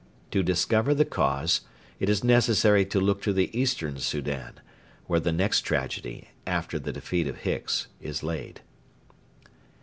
To discover the cause it is necessary to look to the Eastern Soudan, where the next tragedy, after the defeat of Hicks, is laid.